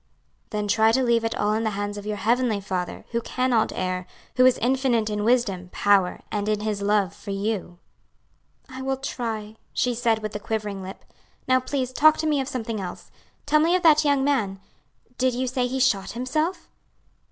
"Then try to leave it all in the hands of your heavenly Father, who cannot err, who is infinite in wisdom, power, and in His love for you." "I will try," she said with a quivering lip. "Now please talk to me of something else. Tell me of that young man. Did you say he shot himself?"